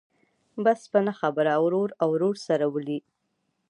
بس په نه خبره ورور او ورور سره ولي.